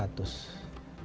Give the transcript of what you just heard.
akan tubuh seratus